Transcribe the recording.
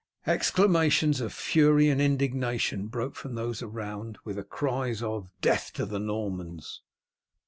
Exclamations of fury and indignation broke from those around, with the cries of "Death to the Normans!"